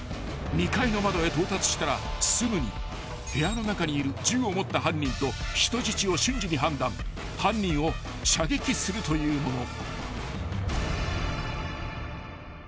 ［２階の窓へ到達したらすぐに部屋の中にいる銃を持った犯人と人質を瞬時に判断犯人を射撃するというもの］